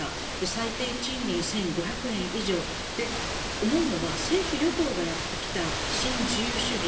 最低賃金１５００円以上思うのは政府・与党がやってきた新自由主義。